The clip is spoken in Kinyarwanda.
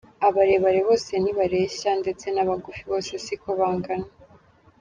Abarebare bose ntibareshya, ndetse n’abagufi bose si ko bangana.